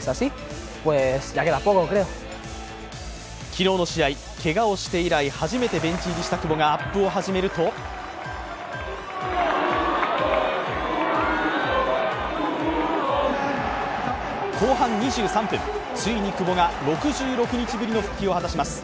昨日の試合、けがをして以来初めてベンチ入りした久保がアップを始めると後半２３分、ついに久保が６６日ぶりの復帰を果たします。